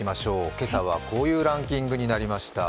今朝はこういうランキングになりました。